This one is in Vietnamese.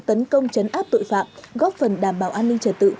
tấn công chấn áp tội phạm góp phần đảm bảo an ninh trật tự